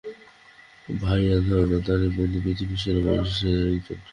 ভাইয়ার ধারণা, তার এই বন্ধু পৃথিবীর সেরা মানুষদের একজন।